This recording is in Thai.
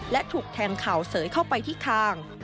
และถูกแทงเข่าเสยเข้าไปที่คาง